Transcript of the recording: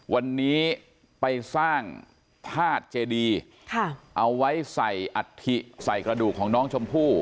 วันนี้ไปสร้างธาตุเจดีเอาไว้ใส่อัฐิใส่กระดูกของน้องชมพู่